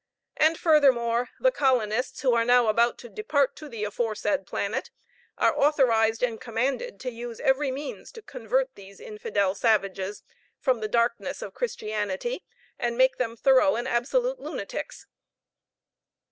And, furthermore, the colonists who are now about to depart to the aforesaid planet are authorised and commanded to use every means to convert these infidel savages from the darkness of Christianity, and make them thorough and absolute Lunatics."